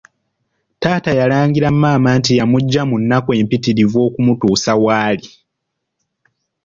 Taata yalangira maama nti yamuggya mu nnaku empitirivu okumutuusa w’ali.